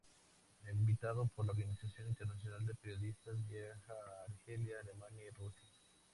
Invitado por la Organización Internacional de Periodistas viaja a Argelia, Alemania, Rusia.